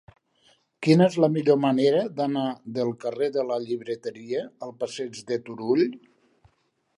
Quina és la millor manera d'anar del carrer de la Llibreteria al passeig de Turull?